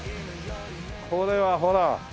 これはほら。